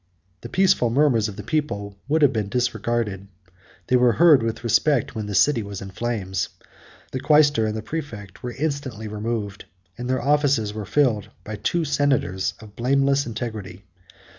The peaceful murmurs of the people would have been disregarded: they were heard with respect when the city was in flames; the quaestor, and the præfect, were instantly removed, and their offices were filled by two senators of blameless integrity.